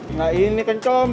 enggak ini kenceng